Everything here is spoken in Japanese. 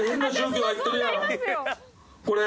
これ。